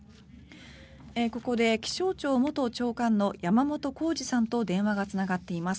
ここで気象庁元長官の山本孝二さんと電話がつながっています。